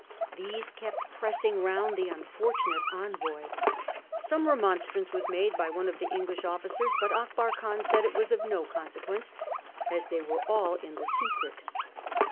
These kept pressing round the unfortunate envoy. Some remonstrance was made by one of the English officers, but Akbar Khan said it was of no conse quence, as they were all in the secret.